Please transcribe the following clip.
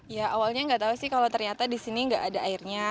ya awalnya gak tau sih kalau ternyata disini gak ada airnya